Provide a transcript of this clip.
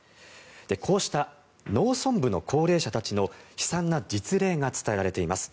こうした農村部の高齢者たちの悲惨な実例が伝えられています。